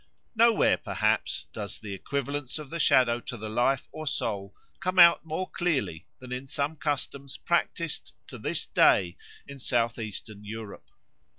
Nowhere, perhaps, does the equivalence of the shadow to the life or soul come out more clearly than in some customs practised to this day in South eastern Europe.